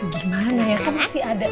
gimana ya kan masih ada